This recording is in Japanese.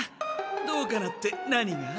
「どうかな？」って何が？